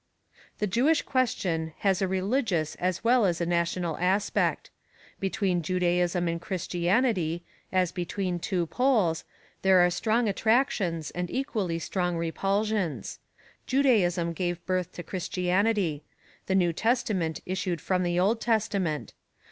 The Jewish question has a religious as well as a national aspect. Between Judaism and Christianity, as between two poles, there are strong attractions and equally strong repulsions. Judaism gave birth to Christianity. The New Testament issued from the Old Testament.